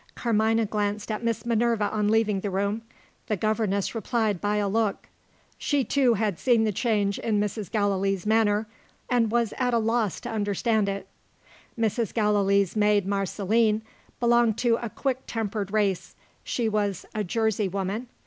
Carmina glanced at Miss Minerva on leaving the room. The governess replied by a look. She too had seen the change in Mrs. Gallilee's manner, and was at a loss to understand it. Mrs. Gallilee's maid Marceline belonged to a quick tempered race: she was a Jersey woman.